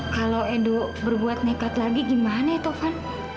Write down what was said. kalau edo berbuat nekat lagi gimana ya tovan